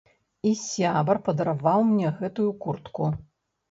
І сябар падараваў мне гэтую куртку.